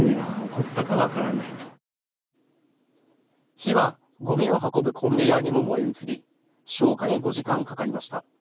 火は、ごみを運ぶコンベヤーにも燃え移り消火に５時間かかりました。